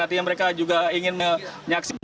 artinya mereka juga ingin menyaksikan